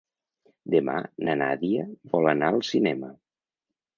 Demà na Nàdia vol anar al cinema.